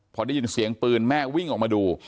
พอได้ยินเสียงปืนแม่วิ่งออกมาดู